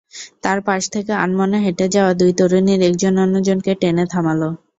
তাঁর পাশ থেকে আনমনে হেঁটে যাওয়া দুই তরুণীর একজন অন্যজনকে টেনে থামাল।